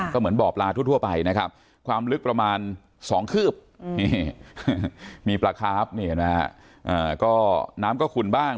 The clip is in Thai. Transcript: ก็เหมือนบ่อปลาทั่วไปนะครับความลึกประมาณสองครือบมีปลาคาร์ฟน้ำก็ขุนบ้าง